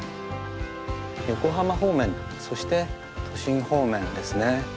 横浜方面そして都心方面ですね。